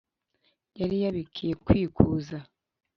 Yari yabikiye kwikuza!